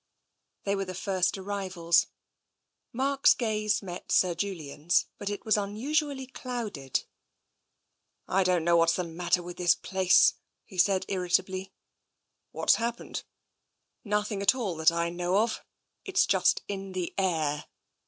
They were the first arrivals. Mark's gaze met Sir Julian's, but it was unusually clouded. " I don't know what's the matter with the place," he said irritably. What's happened ?" Nothing at all, that I know of. It's just in the air.